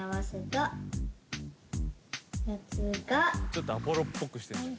ちょっとアポロっぽくしてんじゃん。